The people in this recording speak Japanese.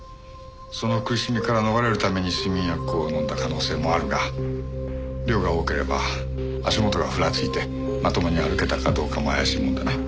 その苦しみから逃れるために睡眠薬を飲んだ可能性もあるが量が多ければ足元がふらついてまともに歩けたかどうかも怪しいもんだな。